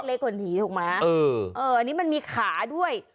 เล็กกว่าผีถูกไหมเออเอออันนี้มันมีขาด้วย